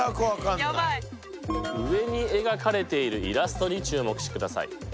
上に描かれているイラストに注目してください。